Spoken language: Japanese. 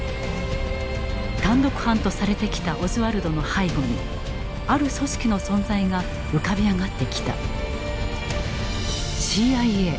単独犯とされてきたオズワルドの背後にある組織の存在が浮かび上がってきた。